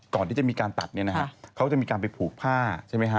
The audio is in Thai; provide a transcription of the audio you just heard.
ก่อนที่จะมีการตัดเนี่ยนะฮะเขาจะมีการไปผูกผ้าใช่ไหมฮะ